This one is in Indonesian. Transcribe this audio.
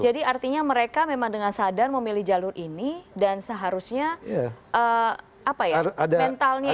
jadi artinya mereka memang dengan sadar memilih jalur ini dan seharusnya apa ya mentalnya itu